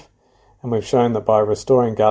dan kita telah menunjukkan bahwa dengan membangun kudang